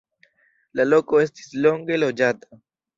La loko estis longe loĝata.